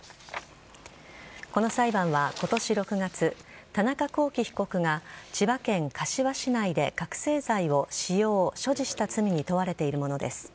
この裁判は今年６月田中聖被告が千葉県柏市内で覚醒剤で使用・所持した罪に問われているものです。